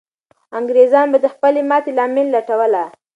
انګریزان به د خپلې ماتې لامل لټوله.